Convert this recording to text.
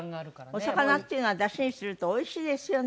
お魚っていうのはダシにするとおいしいですよね。